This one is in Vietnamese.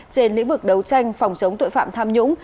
trên lĩnh vực đấu tranh phòng chống tội phạm tham nhũng